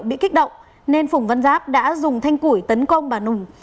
bị kích động nên phùng văn giáp đã dùng thanh củi tấn công bà nùng